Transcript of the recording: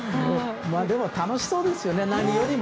でも、楽しそうですよね。